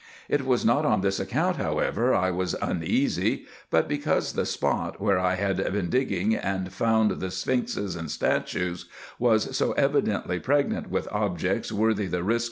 It was not on this account however I was uneasy, but because the spot, where I had been digging and found the sphinxes and statues, was so evidently pregnant with objects worthy the risk IN EGYPT, NUBIA, &c.